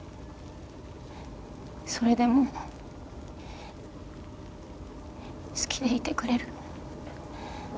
それでも好きでいてくれる？